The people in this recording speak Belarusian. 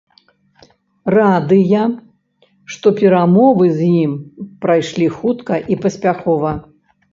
Радыя, што перамовы з ім прайшлі хутка і паспяхова.